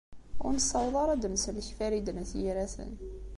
Ur nessaweḍ ara ad d-nsellek Farid n At Yiraten.